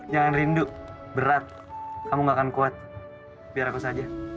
jangan rindu berat kamu gak akan kuat biar aku saja